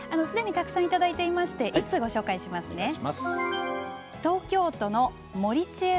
すでにたくさんいただいていまして１通ご紹介しますね。